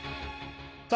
さあ